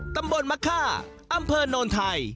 ตำบลมะค่าอำเภอโนนไทย